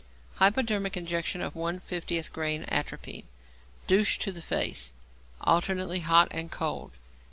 Hypodermic injection of 1/50 grain atropine. Douche to the face, alternately hot and cold.